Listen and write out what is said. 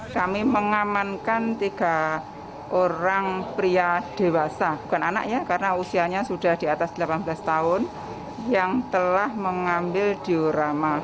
kami mengamankan tiga orang pria dewasa bukan anaknya karena usianya sudah di atas delapan belas tahun yang telah mengambil dioramal